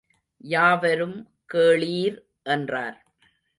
யாவரும் கேளீர்! என்றார்.